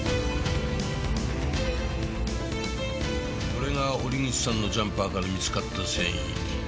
これが折口さんのジャンパーから見つかった繊維。